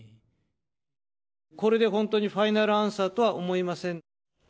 これで本当にファイナルアンサーとは思いません。